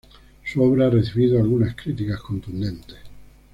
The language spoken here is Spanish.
Su obra ha recibido algunas críticas contundentes.